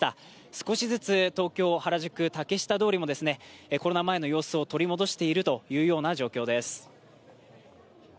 少しずつ東京・原宿、竹下通りもコロナ前の様子を取り戻しているというような状況です。